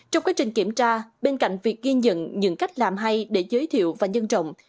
trong quá trình kiểm tra bên cạnh việc ghi nhận những cách làm hay để giới thiệu và nhân trọng